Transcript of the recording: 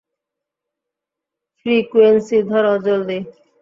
Frequency ধর, জলদি।